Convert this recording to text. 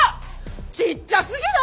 ちっちゃすぎない？